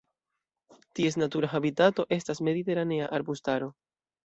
Ties natura habitato estas mediteranea arbustaro.